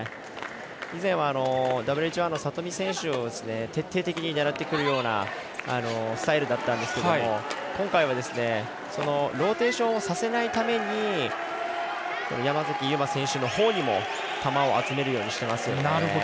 以前は、ＷＨ１の里見選手を徹底的に狙ってくるようなスタイルだったんですけども今回はローテーションをさせないために山崎悠麻選手のほうにも球を集めるようにしています。